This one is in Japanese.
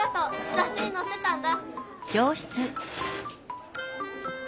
ざっしにのってたんだ。